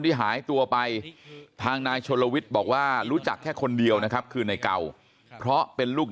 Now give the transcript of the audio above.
ที่หายตัวไปทางนายชนลวิทย์บอกว่ารู้จักแค่คนเดียวนะครับคือในเก่าเพราะเป็นลูก